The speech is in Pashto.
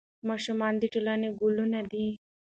ماشومان د ټولنې ګلونه دي.